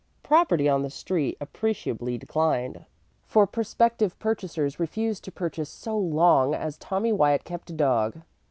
Property on the street appreciably declined, for prospective purchasers refused to purchase so long as Tommy Wyatt kept a dog.